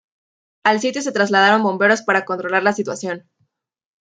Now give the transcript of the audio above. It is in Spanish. Al sitio se trasladaron bomberos para controlar la situación.